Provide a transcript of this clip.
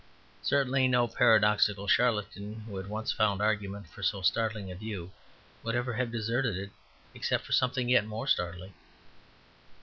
Certainly no paradoxical charlatan who had once found arguments for so startling a view would ever have deserted it except for something yet more startling.